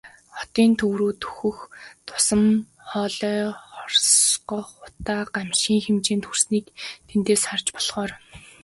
Хотын төв рүү дөхөх тусам хоолой хорсгох утаа гамшгийн хэмжээнд хүрснийг тэндээс харж болохоор.